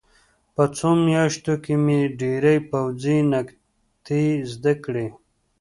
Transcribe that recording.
په څو میاشتو کې مې ډېرې پوځي نکتې زده کړې